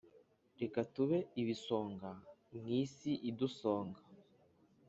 reka tube ibisonga mu isi idusonga